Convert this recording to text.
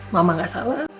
mama gak salah